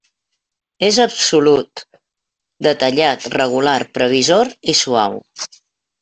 És absolut, detallat, regular, previsor i suau.